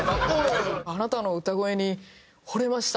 「あなたの歌声にほれました！」